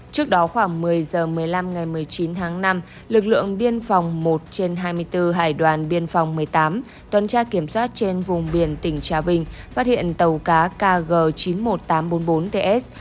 trước đó khoảng một mươi h một mươi năm ngày một mươi chín tháng năm lực lượng biên phòng một trên hai mươi bốn hải đoàn biên phòng một mươi tám tuần tra kiểm soát trên vùng biển tỉnh trà vinh phát hiện tàu cá kg chín mươi một nghìn tám trăm bốn mươi bốn ts